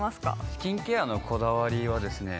スキンケアのこだわりはですね